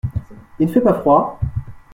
Il ne fait pas froid ?